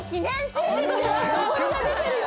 のぼりが出てるよ！